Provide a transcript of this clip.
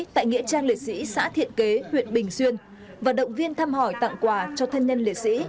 tại nghĩa trang liệt sĩ xã thiện kế huyện bình xuyên và động viên thăm hỏi tặng quà cho thân nhân liệt sĩ